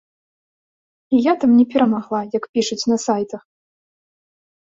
І я там не перамагла, як пішуць на сайтах!